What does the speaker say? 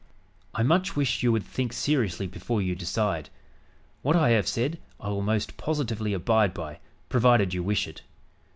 "I much wish you would think seriously before you decide. What I have said, I will most positively abide by, provided you wish it.